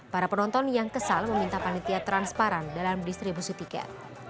para penonton yang kesal meminta panitia transparan dalam distribusi tiket